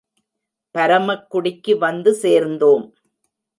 பரமக்குடிக்கு வந்து சேர்ந்தோம்.